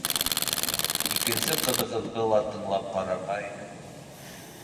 Икенсе ҡыҙығыҙҙы ла тыңлап ҡарарға ине...